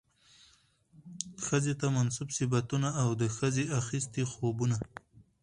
ښځې ته منسوب صفتونه او د ښځې اخىستي خوىونه